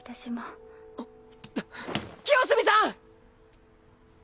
あっ清澄さん！